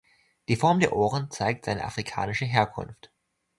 Die Form der Ohren zeigt seine afrikanische Herkunft.